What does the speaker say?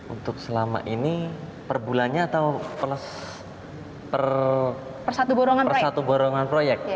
untuk selama ini per bulannya atau plus per satu borongan proyek